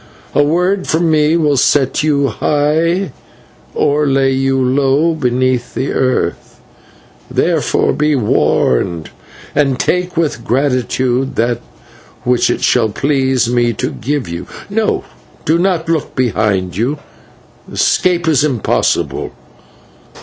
A word from me will set you high or lay you low beneath the earth; therefore be warned and take with gratitude that which it shall please me to give you. No, do not look behind you escape is impossible.